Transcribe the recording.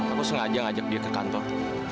aku sengaja ngajak dia ke kantor